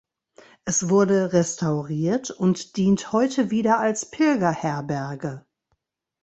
Es wurde restauriert und dient heute wieder als Pilgerherberge.